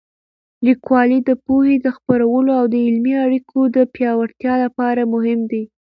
لیکوالی د پوهې د خپرولو او د علمي اړیکو د پیاوړتیا لپاره مهم دی.